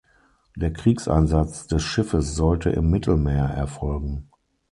Der Kriegseinsatz des Schiffes sollte im Mittelmeer erfolgen.